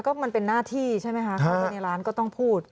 ก็มันเป็นหน้าที่ใช่ไหมคะเข้าไปในร้านก็ต้องพูด